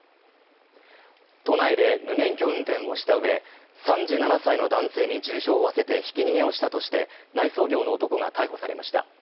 都内で無免許運転をした上、３７歳の男性に重傷を負わせてひき逃げをしたとして内装業の男が逮捕されました。